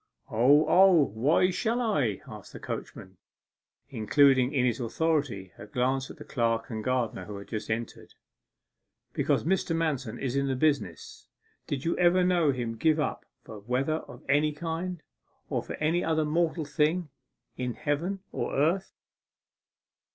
'O, O; why shall I?' asked the coachman, including in his auditory by a glance the clerk and gardener who had just entered. 'Because Mr. Manston is in the business. Did you ever know him to give up for weather of any kind, or for any other mortal thing in heaven or earth?